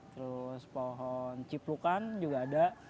terus pohon ciplukan juga ada